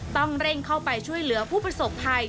ต้องเร่งเข้าไปช่วยเหลือผู้ประสบภัย